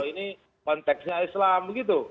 ini konteksnya islam begitu